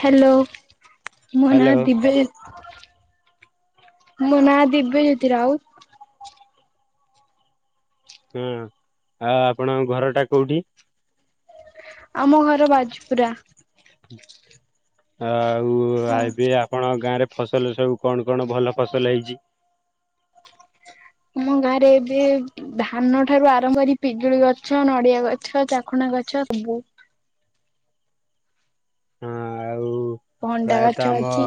Hello ମୋ hello ନାଁ ଦିବେଶ ମୋ ନାଁ ଦିବ୍ୟଜ୍ୟୋତି ରାଉତ। ହଁ ଆଉ ଆପଣଙ୍କ ଘର ଟା କୋଉଠି? ଆମ ଘର ବାଜପୁରା। ଆଉ ହଁ ଏବେ ଆପଣ ଗାଁରେ ଫସଲ ସବୁ କଣ କଣ ଭଲ ଫସଲ ହେଇଛି? ଆମ ଗାଁ ରେ ଏବେ ଧାନ ଠାରୁ ଆରମ୍ଭ କରି ପିଜୁଳି ଗଛ ନଡିଆ ଗଛ ଚାକୁଣ୍ଢ ଗଛ ସବୁ। ହଁ ଆଉ ଭଣ୍ଡା ପ୍ରାୟତଃ ଗଛ ଆମ ଅଛି।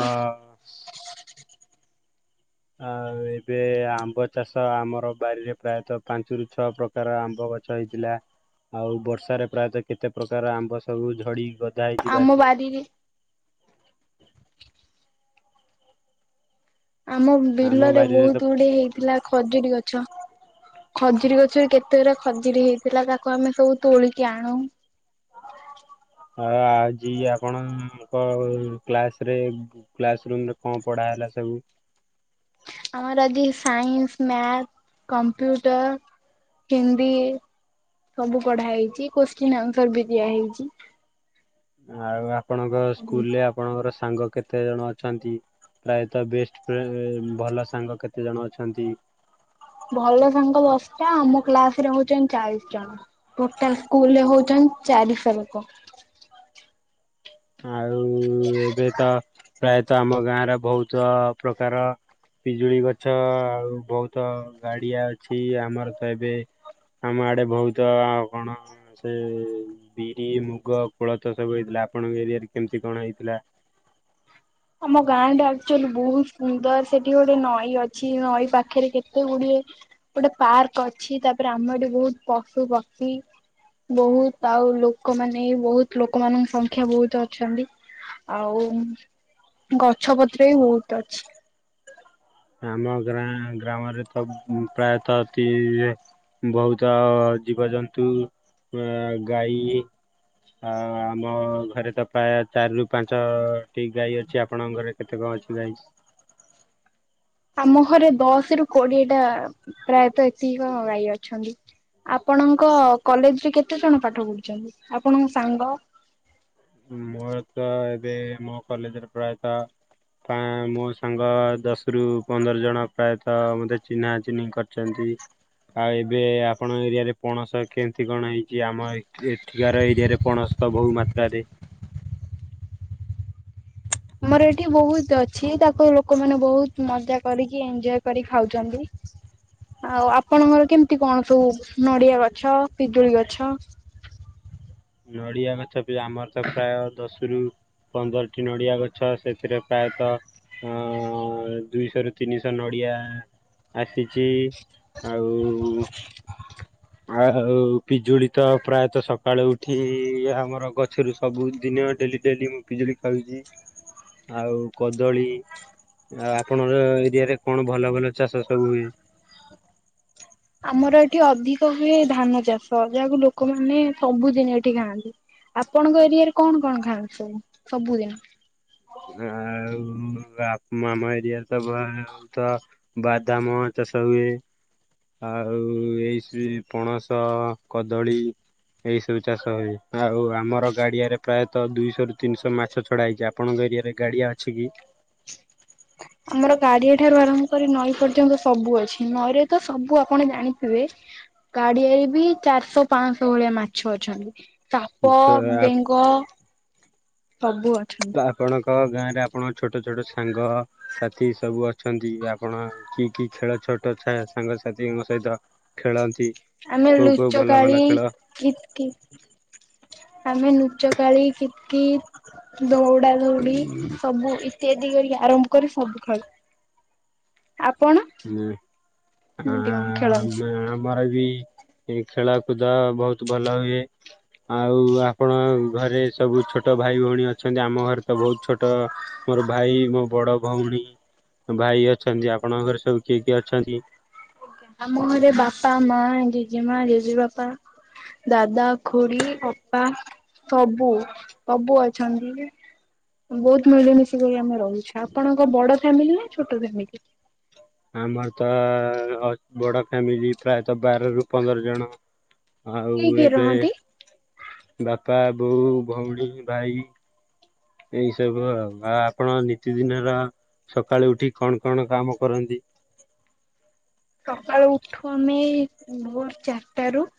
ଆଉ ଏବେ ଆମ୍ବ ଚାଷ ଆମର ବାରିରେ ପ୍ରାୟତଃ ପାଞ୍ଚରୁ ଛଅ ପ୍ରକ ପ୍ରକାର ଆମ୍ବ ଗଛ ହେଇଥିଲା ଆଉ ବର୍ଷାରେ ପ୍ରାୟତଃ କେତେ ପ୍ରକାର ଆମ୍ବ ସବୁ ଝଡି ଆମ ବାରିରେ ଆମ ବିଲରେ ବାରିରେ ବହୁତ ତ ଗୁଡିଏ ହେଇଥିଲା ଖଜୁରୀ ଗଛ। ଖଜୁରୀ ଗଛରେ କେତେ ଗୁରା ଖଜୁରୀ ହେଇଥିଲା ତାକୁ ଆମେ ସବୁ ତୋଳିକି ଆଣୁ। ଆ ଆଜି ଆପଣଙ୍କ କ୍ଲାସ ରେ କ୍ଲାସ ରୁମ ରେ କଣ ପଢା ହେଲା ସବୁ? ଆମର ଆଜି ସାଇନ୍ସ ମ୍ୟାଥ କମ୍ପ୍ୟୁଟର ହିନ୍ଦୀ। ସବୁ ପଢା ହେଇଛି କୋଶ୍ଚିନ୍ ଆନ୍ସର ବି ଦିଆହେଇଛି। ଆଉ ଆପଣଙ୍କ ସ୍କୁଲ ରେ ଆପଣଙ୍କର ସାଙ୍ଗ କେତେ ଜଣ ଅଛନ୍ତି? ପ୍ରାୟତଃ ବେଷ୍ଟ ଫ୍ରେ ଭଲ ସାଙ୍ଗ କେତେ ଜଣ ଅଛନ୍ତି? ଭଲ ସାଙ୍ଗ ଦଶଟା ଆମ କ୍ଲାସ ରେ ହଉଛନ୍ତି ଚାଳିଶ ଜଣ। ଟୋଟାଲ ସ୍କୁଲରେ ହଉଛନ୍ତି ଚାରିଶହ ଲୋକ। ଆଉ ଏବେ ତ ପ୍ରାୟତଃ ଆମ ଗାଁରେ ବହୁତ ପ୍ରକାର ପିଜୁଳି ଗଛ ଆଉ ବହୁତ ଗାଡିଆ ଅଛି ଆମର ତ ଏବେ ଆମ ଆଡେ ବହୁତ କଣ ସେ ବିରି ମୁଗ କୋଳଥ ସବୁ ହେଇଥିଲା। ଆପଣଙ୍କ ଏରିଆରେ କେମିତି କଣ ହେଇଥିଲା? ଆମ ଗାଁ ଟା ଆକ୍ଚୁଆଲି ବହୁତ ସୁନ୍ଦର ସେଠି ଗୋଟେ ନଈ ଅଛି ନଈ ପାଖରେ କେତେ ଗୁଡିଏ ଗୋଟେ ପାର୍କ ଅଛି ତାପରେ ଆମର ଏଠି ବହୁତ ପଶୁ ପକ୍ଷୀ ବହୁତ ଆଉ ଲୋକମାନେ ବହୁତ ଲୋକମାନଙ୍କ ସଂଖ୍ୟା ବହୁତ ଅଛନ୍ତି। ଆଉ ଗଛ ପତ୍ର ବି ବହୁତ ଅଛି। ଆମ ଗାଁ ଗ୍ରାମରେ ତ ପ୍ରାୟତ ତି ବହୁତ ଜୀବଜନ୍ତୁ ଅ ଗାଈ ଆ ଆମ ଘରେ ତ ପ୍ରାୟ ଚାରି ରୁ ପାଞ୍ଚଟି ଗାଈ ଅଛି। ଆପଣଙ୍କ ଘରେ କେତେ କଣ ଅଛି ଗାଈ? ଆମ ଘରେ ଦଶ ରୁ କୋଡିଏ ଟା ପ୍ରାୟତଃ ଏତିକି କଣ ଗାଈ ଅଛନ୍ତି। ଆପଣଙ୍କ କଲେଜରେ କେତେ ଜଣ ପାଠ ପଢୁଛନ୍ତି ଆପଣଙ୍କ ସାଙ୍ଗ? ମୋର ତ ଏବେ ମୋ କଲେଜରେ ପ୍ରାୟତଃ ପା ମୋ ସାଙ୍ଗ ଦଶ ରୁ ପନ୍ଦର ଜଣ ପ୍ରାୟତଃ ମୋତେ ଚିହ୍ନା ଚିହ୍ନି କରିଛନ୍ତି। ଆଉ ଏବେ ଆପଣଙ୍କ ଏରିଆ ରେ ପଣସ କେମିତି କଣ ହେଇଛି? ଆମ ଏଠିକାର ଏରିଆରେ ପଣସ ବହୁ ମାତ୍ରାରେ ଆମର ଏଠି ବହୁତ ଅଛି ତାକୁ ଲୋକମାନେ ବହୁତ ମଜା କରିକି ଏଞ୍ଜୟ କରି ଖାଉଛନ୍ତି। ଆଉ ଆପଣଙ୍କର କେମିତି କଣ ସବୁ ନଡିଆ ଗଛ ପିଜୁଳି ଗଛ ନଡ଼ିଆ ଗଛ ଆମର ତ ପ୍ରାୟ ଦଶ ରୁ ପନ୍ଦରଟି ନଡିଆ ଗଛ ସେଥିରେ ପ୍ରାୟତଃ ହ ଦୁଇଶହ ର ତିନିଶହ ନଡ଼ିଆ। ଆସିଛି ଆଉ। ଆଉ ପିଜୁଳି ତ ପ୍ରାୟତଃ ସକାଳୁ କିଏ ଆମର ଗଛରୁ ସବୁଦିନ ଡେଲି ଡେଲି ମୁଁ ପିଜୁଳି ଖାଉଛି। ଆଉ କଦଳୀ ଆପଣଙ୍କ ଏରିଆ ରେ କଣ ଭଲ ଭଲ ଚାଷ ସବୁ ହୁଏ? ଆମର ଏଠି ଅଧିକ ହୁଏ ଧାନ ଚାଷ ଯାହାକୁ ଲୋକମାନେ ସବୁଦିନ ଏଠି ଖାଆନ୍ତି। ଆପଣଙ୍କ ଏରିଆରେ କଣ କଣ ଖାନ୍ତି ସବୁ ସବୁଦିନ? ଆଉ ବାଆମ ଏରିଆରେ ତ ବହୁତ ବାଦାମ ଚାଷ ହୁଏ। ଆଉ ଏଇ ଶ୍ରୀ ପଣସ କଦଳୀ ଏଇ ସବୁ ଚାଷ ହୁଏ ଆଉ ଆମର ଗାଡିଆରେ ପ୍ରାୟତଃ ଦୁଇଶହ ରୁ ତିନିଶହ ମାଛ ଛଡା ହେଇଛି। ଆପଣଙ୍କ ଏରିଆରେ ଗାଡିଆ ଅଛି କି? [unintelligible] ଆମର ଗାଡିଆ ଠାରୁ ଆରମ୍ଭ କରି ନଈ ପର୍ଯ୍ୟନ୍ତ ସବୁ ଅଛି ନଈରେ ତ ସବୁ ଆପଣ ଜାଣିଥିବେ ଗାଡିଆରେ ବି ଚାରିଶହ ପାଞ୍ଚଶହ ଭଳିଆ ମାଛ ଅଛନ୍ତି। ସାପ ଛ ବେଙ୍ଗ ସବୁ ଅଛନ୍ତି। ଆପଣଙ୍କ ଗାଁ ରେ ଆପଣଙ୍କ ଛୋଟ ଛୋଟ ସାଙ୍ଗ ସାଥି ସବୁ ଅଛନ୍ତି ଆପଣ କିକି ଖେଳ ଛୋଟ ସାଙ୍ଗସାଥିଙ୍କ ସହିତ ଖେଳନ୍ତି। ଆମେ କୋଉ କୋଉ ଭଲ ଲୁଚକାଳି ଭଲ ଖେଳ କିତିକତିଆମେ ନୁଚକାଳି କିିତକିତ ଦୌ ଧାଦେଉଡି ସବୁ ଇତ୍ୟାଦି ଆରମ୍ଭ କରି ସବୁ ଖେଳୁ। ଆପଣ? ନେ କେମିତି କଣ ଖେଳନ୍ତି? ଆମେ ଆମର ବି ଏଇ ଖେଳ କୁଦ ବହୁତ ଭଲ ହୁଏ। ଆଉ ଆପଣ ଘରେ ସବୁ ଛୋଟ ଭାଇ ଭଉଣୀ ଅଛନ୍ତି ଆମ ଘରେ ତ ବହୁତ ଛୋଟ ମୋର ଭାଇ ମୋ ବଡ ଭଉଣୀ ଭାଇ ଅଛନ୍ତି ଆପଣଙ୍କ ଘରେ ସବୁ କିଏ କିଏ ଅଛନ୍ତି? ଆମ ଘଲେ ବାପା ମା ଜେଜେମା ଜେଜେ ବାପା। ଦାଦା ଖୁଡିଅପା ସବୁ ସବୁ ଅଛନ୍ତି। ବହୁତ ମିଳିମିଶିିକ ଆମେ ରହୁଛେ ଆପଣଙ୍କ ବଡ ଫ୍ୟାମିଲି ନା ଛୋଟ ଫ୍ୟାମିଲି। ଆମର ତ ବଡ ଫ୍ୟାମିଲି ପ୍ରାୟତଃ ବାରରୁ ପନ୍ଦର ଜଣ। ଆଉ କିଏ କିଏ ଏବେ ରହନ୍ତି ବାପା ବୋଉ ଭଉଣୀ ଭାଇ ଏଇ ସବୁ ଆପଣ ନିତିଦିନ ର ସକାଳେୁ ଉଠି କଣ କଣ କାମ କରନ୍ତି? ସକାଳୁ ଉଠୁ ଆମେ ଭୋର୍ ଚାରିଟା ରୁ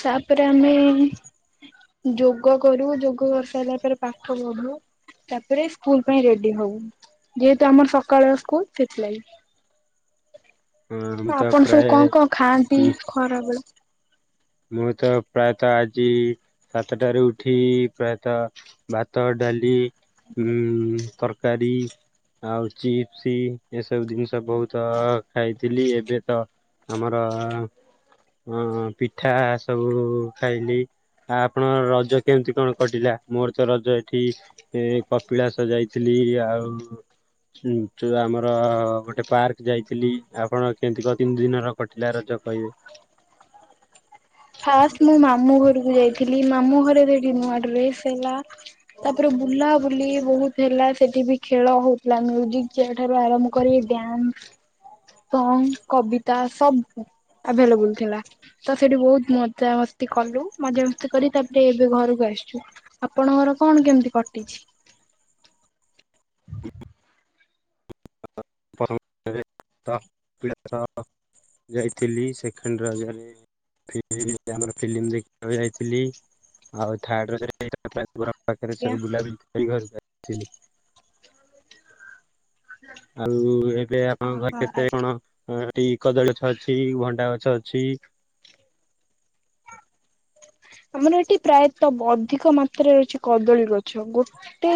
ତାପରେ ଆମେ ଯୋଗ କରୁ। ଯୋଗ କରିସାରିଲା ପରେ ପାଠ ପଢୁ। ତାପରେ ସ୍କୁଲ ପାଇଁ ରେଡ୍ଡି ହଉ। ଯେହେତୁ ଆମର ସକାଳ ସ୍କୁଲ ସେଥିଲାଗି। ହଁ ମୁଁ ତ ଆପଣ ସବୁ କଣ ପ୍ରାୟ କଣ ଖାଆନ୍ତି ଖରା ବେଳେ? ମୁଁ ତ ପ୍ରାୟତଃ ଆଜି ସାତଟାରୁ ଉଠି ପ୍ରାୟତଃ ଭାତ ଡ଼ାଲି ଉ ତରକାରୀ ଆଉ ଚିପ୍ସ ଏସବୁ ଜିନିଷ ବହୁତ ଖାଇଥିଲି ଏବେ ତ ଆମର ଅ ପିଠା ସବୁ ଖାଇଲି। ଆ ଆପଣ ରଜ କେମିତି କଣ କଟିଲା ମୋରତ ରଜ ଏଠି ଏ କପିଳାସ ଯାଇଥିଲି ଆଉ ସେଠୁ ଆମର ଗୋଟେ ପାର୍କ ଯାଇଥିଲି ଆପଣ [unintelligible] ତିନି ଦିନର କ ଦାରଜ କହିବେ। ଫାଷ୍ଟେ ମୁଁ ମାମୁଁ ଘରକୁ ଯାଇଥିଲି ମା ମାମୁଁ ଘରେ ସେଠି ନୁଆ ଡ୍ରେସ୍ ହେଲା। ତାପରେ ବୁଲାବୁଲି ବହୁତ୍ ହେଲା ସେଠିବି ଖେଳ ହଉଥିଲା ମ୍ୟିଜିକ୍ ଚେୟାର୍ ଠାରୁ ଆରମ୍ଭ କରି ଡ୍ୟାସ୍। ସଙ୍ଗ୍ କବିତା ସବୁ ଆଭେଲେବୁଲ୍ ଥିଲା ତସେଠି ବହୁତ ମଜାମସ୍ତି କଲୁ ମଜାମସ୍ତି କରି ତାପରେ ଏବେ ଘରକୁ ଆସିଚୁ। ଆପଣଙ୍କର କଣ କେମିତି କଟିଛି? [unintelligible] ଯାଇଥିଲି ସେକେଣ୍ଡ ରଜ ରେ [unintelligible] ଆମର ଫିଲ୍ମ ଦେଖିବାକୁ ଯାଇଥିଲି ଆଉ ଥାର୍ଡ ରାଜରେ ସେଇ ତାର ପାଖରେ ଆଜ୍ଞା? ସବୁ ବୁଲାବୁଲି କରି ଘରକୁ ଆସିଥିଲି। ଆଉ ଏବେ ଆପଣଙ୍କ ଘରେ ଓହୋ କେତେ ଆଜ୍ଞା କଣ ହ ଏଠି କଦଳୀ ଗଛ ଅଛି ଭଣ୍ଡା ଗଛ ଅଛି। ଆମର ଏଠି ପ୍ରାୟତଃ ଅଧିକ ମାତ୍ରାରେ ରହିଛି କଦଳୀ ଗଛ ଗୋ ଟି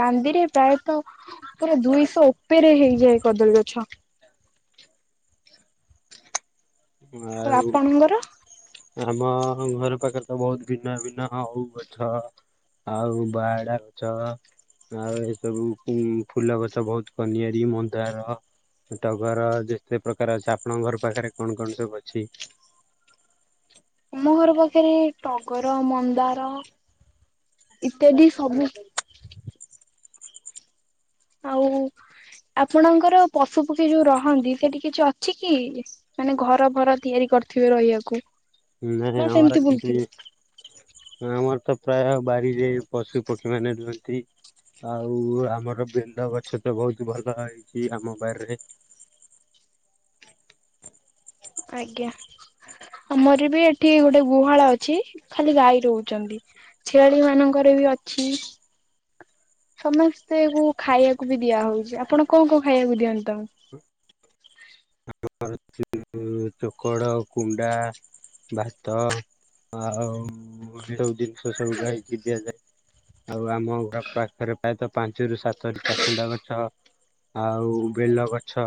କାନ୍ଦିରେ ପ୍ରାୟତଃ ପୁରା ଦୁଇଶହ ଉପେରେ ହେଇଯାଏ କଦଳୀ ଗଛ। ଆଉ ଆମ ଘର ପାଖରେତ ବହୁତ୍ ଭିନ୍ନ ଭିନ୍ନ ଓଉ ଗଛ ଆଉ ବାହାଡ଼ା ଗଛ। ଆଉ ଏ ସବୁ ଫୁଲ ଗଛ ବହୁତ୍ କନିଆର ମନ୍ଦାର। ଟଗର ଯେତେ ପ୍ରକାର ଅଛି ଆପଣଙ୍କ ଘର ପାଖରେ କଣ କଣ ସବୁ ଅଛି? ଆମ ଘର ପାଖରେ ଟଗର ମନ୍ଦାର ଇତ୍ୟାଦି ସବୁ ଆଉ ଆପଣଙ୍କର ପଶୁ ପକ୍ଷୀ ଯୋଉ ରହନ୍ତି ସେଠି କିଛି ଅଛିକି? ମାନେ ଘର ଭର ତିଆରି କରିଥିବେ ରହିବାକୁ। ନାଇ ନା ଆମର ସେମିତି କିଛି ବୁଲୁଥିବେ? ନାଁ ଆମରତ ପ୍ରାୟ ବାରିରେ ପଶୁ ପକ୍ଷୀ ମାନେ ରୁହନ୍ତି। ଆଉ ଆମର ବେଲ ଗଛତ ବହୁତ୍ ଭଲ ହେଇଚି ଆମ ବାରିରେ। ଆଜ୍ଞା ଆମରବି ଏଠି ଗୋଟେ ଗୁହାଳ ଅଛି ଖାଲି ଗାଈ ରହୁଚନ୍ତି। ଛେଳି ମାନଙ୍କରବି ଅଛି। ସମସ୍ତେକୁ ଖାଇବାକୁବି ଦିଆ ହଉଚି ଆପଣ କଣ କଣ ଖାଇବାକୁ ଦିଅନ୍ତି ତାଙ୍କୁ? [unintelligible] ଚୋକଡ଼ କୁଣ୍ଡା। ଭାତ ଆଉ [unintelligible] ସବୁ ଜିନିଷ ସବୁ ଗାଇକି ଦିଆଯାଏ ଆଉ ଆମ ଘର ପାଖରେ ପ୍ରାୟତଃ ପାଞ୍ଚରୁ ସାତଟି ଚାକୁଣ୍ଡା ଗଛ ଆଉ ବେଲ ଗଛ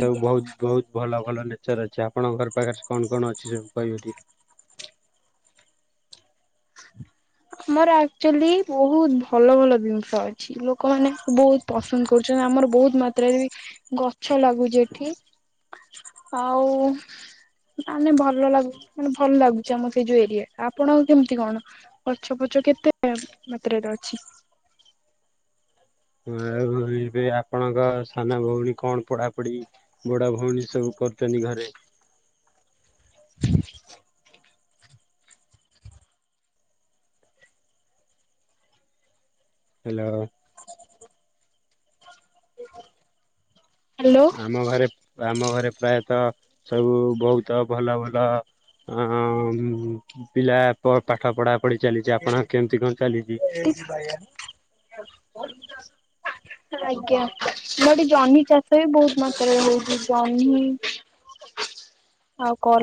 ଏସବୁ ବହୁତ୍ ବହୁତ୍ ଭଲ ଭଲ ନେଚର ଅଛି ଆପଣଙ୍କ ଘର ପାଖରେ କଣ କଣ ଅଛି ସବୁ କହିବେଟି? ଆମର ଆକ୍ଚୁଅଲି ବହୁତ୍ ଭଲ ଭଲ ଜିନିଷ ଅଛି। ଲୋକମାନେ ବହୁତ୍ ପସନ୍ଦ କରୁଚନ୍ତି ଆମର ବହୁତ୍ ମାତ୍ରାରେ ବି ଗଛ ଲାଗୁଛି ଏଠି ଆଉ ଆମେ ଭଲ ଲାଗୁ ମାନେ ଭଲ ଲାଗୁଚି ଆମ ସେଇ ଯୋଉ ଏରିଆଟା ଆପଣ କେମିତି କଣ ଗଛ ଫଛ କେତେ ମାତ୍ରାରେ ଅଛି। ଆଉ ଏବେ ଆପଣଙ୍କ ସାନ ଭଉଣୀ କଣ ପଢ଼ାପଢ଼ି ବଡ଼ ଭଉଣୀ ସବୁ କରୁଚନ୍ତି ଘରେ? [inaudible] ହାଲୋ। ହ୍ୟାଲୋ। ଆମ ଘରେ ଆମ ଘରେ ପ୍ରାୟତଃ ସବୁ ବହୁତ ଭଲ ଭଲ ଅଁ ପିଲା ପ ପାଠ ପଢା ପଢି ଚାଲିଚି ଆପଣଙ୍କ କେମିତି କଣ ଚାଲିଚି। [unintelligible] [inaudible] [inaudible] ଆଜ୍ଞା ମୁ ଏଠି ଜହ୍ନି ଚାଷ ବି ବହୁତ ମାତ୍ରାରେ ହଉଚି ଜହ୍ନି। ଆଉ କଲ୍‌